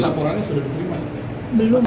laporannya sudah dikirim kan